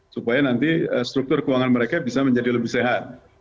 supaya nanti struktur keuangan mereka bisa menjadi lebih sehat